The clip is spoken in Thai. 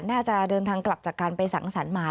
น่าจะเดินทางกลับจากการไปสังสรรค์มา